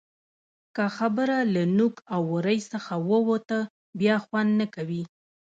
که خبره له نوک او ورۍ څخه ووته؛ بیا خوند نه کوي.